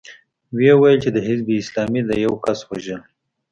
ويې ويل چې د حزب اسلامي د يوه کس وژل.